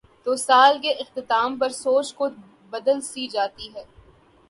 تو سال کے اختتام پر سوچ کچھ بدل سی جاتی ہے۔